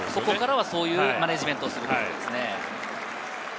そういうマネジメントするということですね。